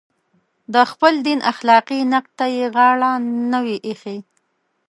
د خپل دین اخلاقي نقد ته یې غاړه نه وي ایښې.